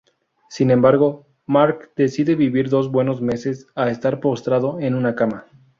Sin embargo, Mark decide vivir dos buenos meses a estar postrado en una cama.